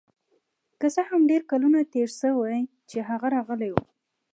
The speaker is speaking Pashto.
که څه هم ډیر کلونه تیر شوي چې هغه راغلی و